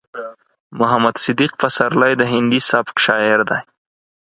محمد صديق پسرلی د هندي سبک شاعر دی.